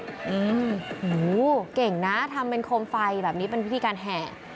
โอ้โหเก่งนะทำเป็นโคมไฟแบบนี้เป็นพิธีการแห่